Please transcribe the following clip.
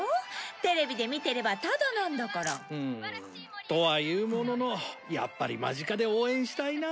テレビで見てればタダなんだから。とは言うもののやっぱり間近で応援したいな。